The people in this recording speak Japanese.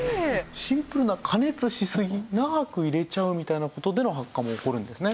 シンプルな加熱しすぎ長く入れちゃうみたいな事での発火も起こるんですね。